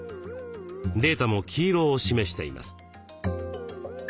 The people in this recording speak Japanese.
データも黄色を示しています。